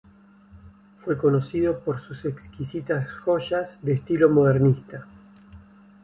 Fue conocido por sus exquisitas joyas de estilo modernista.